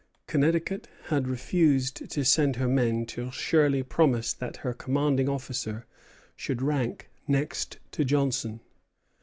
Connecticut had refused to send her men till Shirley promised that her commanding officer should rank next to Johnson.